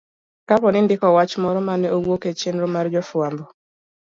Kapo ni indiko wach moro mane owuok e chenro mar jofwambo,